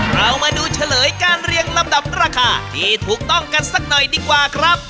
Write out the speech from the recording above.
เรามาดูเฉลยการเรียงลำดับราคาที่ถูกต้องกันสักหน่อยดีกว่าครับ